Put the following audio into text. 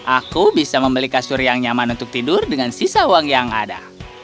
aku bisa membeli kasur yang nyaman untuk tidur dengan sisa uang yang ada